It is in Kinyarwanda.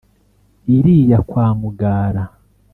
Iriya kwa Mugara